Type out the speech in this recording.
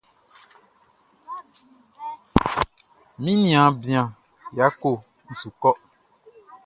Mi niaan bian Yako n su kɔ.